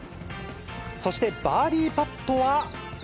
そしてバーディーパットは。